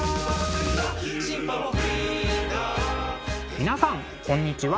皆さんこんにちは。